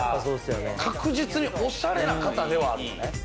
確実におしゃれな方ではある。